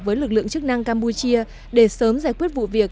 với lực lượng chức năng campuchia để sớm giải quyết vụ việc